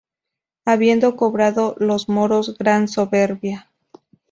Habiendo cobrado los moros gran soberbia.